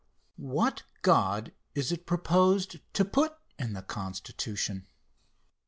What God is it proposed to put in the Constitution?